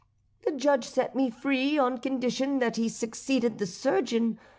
The judge set me free, on condition that he succeeded the surgeon.